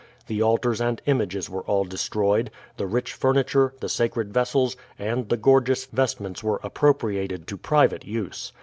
The altars and images were all destroyed; the rich furniture, the sacred vessels, and the gorgeous vestments were appropriated to private use.